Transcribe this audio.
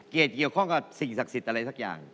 เกี่ยวข้องกับสิ่งศักดิ์สิทธิ์อะไรสักอย่าง